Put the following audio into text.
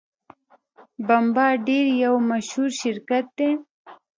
بمبارډیر یو مشهور شرکت دی.